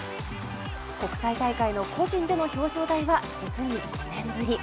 国際大会の個人での表彰台は実に５年ぶり。